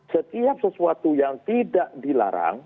setiap sesuatu yang tidak dilarang